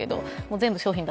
全部商品が